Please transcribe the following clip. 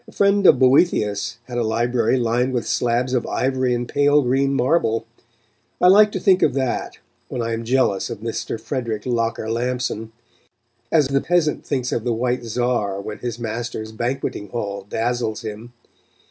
A friend of Boethius had a library lined with slabs of ivory and pale green marble. I like to think of that when I am jealous of Mr. Frederick Locker Lampson, as the peasant thinks of the White Czar when his master's banqueting hall dazzles him.